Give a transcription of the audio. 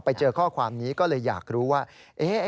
ไปเจอข้อความนี้ก็เลยอยากรู้ว่า